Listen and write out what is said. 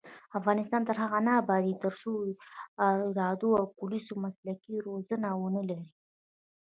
افغانستان تر هغو نه ابادیږي، ترڅو اردو او پولیس مسلکي روزنه ونه لري.